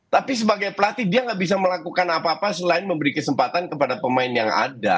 tapi sebagai pelatih dia nggak bisa melakukan apa apa selain memberi kesempatan kepada pemain yang ada